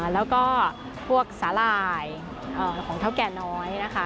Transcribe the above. แล้วก็พวกสาหร่ายของเท่าแก่น้อยนะคะ